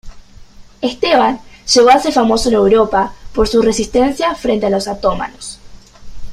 Esteban llegó a ser famoso en Europa por su resistencia frente a los otomanos.